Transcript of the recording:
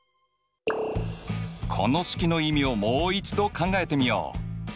この式の意味をもう一度考えてみよう！